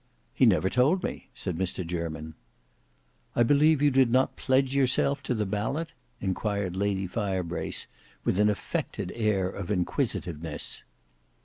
"He never told me," said Mr Jermyn. "I believe you did not pledge yourself to the ballot?" inquired Lady Firebrace with an affected air of inquisitiveness.